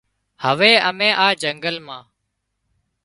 هوي امين آ جنگل مان